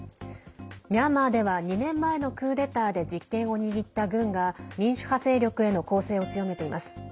ミャンマーでは２年前のクーデターで実権を握った軍が民主派勢力への攻勢を強めています。